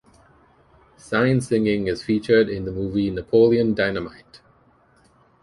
Sign singing is featured in the movie "Napoleon Dynamite".